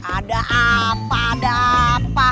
ada apa ada apa